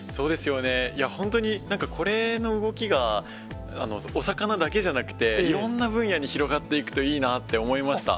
本当になんかこれの動きが、お魚だけじゃなくて、いろんな分野に広がっていくといいなって思いました。